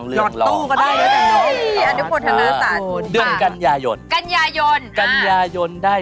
แป๊ปเดียว